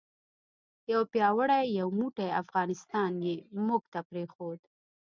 یو پیاوړی یو موټی افغانستان یې موږ ته پرېښود.